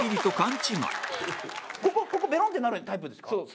ここここベロンってなるタイプですか？